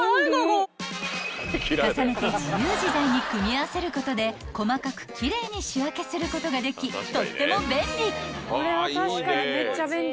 ［重ねて自由自在に組み合わせることで細かく奇麗に仕分けすることができとっても便利］